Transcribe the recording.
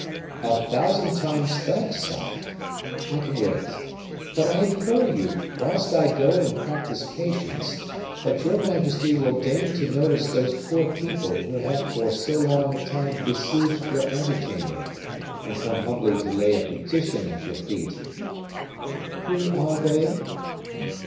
"A thousand times thanks, sire! I can wait. But I implore you, whilst I go and practice patience, that your majesty will deign to notice those poor people who have for so long a time besieged your ante chamber, and come humbly to lay a petition at your feet." "Who are they?"